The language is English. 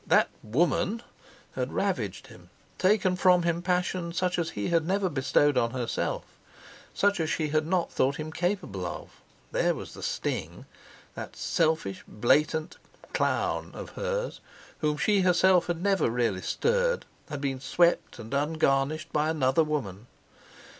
That "woman" had ravaged him, taken from him passion such as he had never bestowed on herself, such as she had not thought him capable of. There was the sting! That selfish, blatant "clown" of hers, whom she herself had never really stirred, had been swept and ungarnished by another woman!